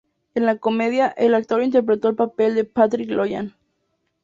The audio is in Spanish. En la comedia, el actor interpretó el papel de Patrick Logan.